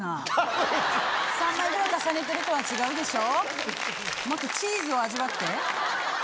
「３枚ぐらい重ねてる」とは違うでしょ。